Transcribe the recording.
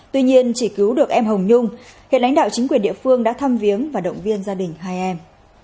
tuy nhiên chỉ cứu được em hồng nhung hiện lãnh đạo chính quyền địa phương đã thăm viếng và động viên gia đình hai em